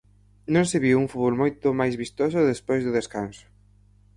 Non se viu un fútbol moito máis vistoso despois do descanso.